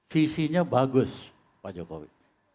visinya bagus pak jokowi